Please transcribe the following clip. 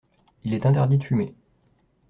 Il est interdit de fumer.